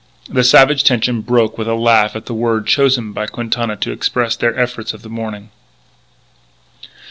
The savage tension broke with a laugh at the word chosen by Quintana to express their efforts of the morning.